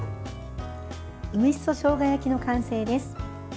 梅しそしょうが焼きの完成です。